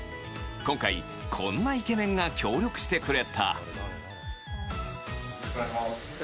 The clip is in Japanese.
今回こんなイケメンが協力してくれた。